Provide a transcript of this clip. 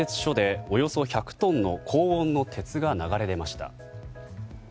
千葉の製鉄所でおよそ１００トンの高温の鉄が流れ出ました。